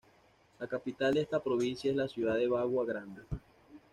La Capital de esta provincia es la ciudad de Bagua Grande